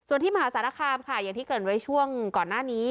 ส่วนที่มหาสารคามค่ะอย่างที่เกริ่นไว้ช่วงก่อนหน้านี้